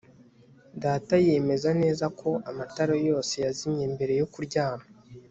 Data yemeza neza ko amatara yose yazimye mbere yo kuryama